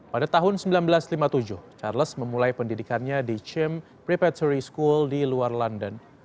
pada tahun seribu sembilan ratus lima puluh tujuh charles memulai pendidikannya di chim prepatory school di luar london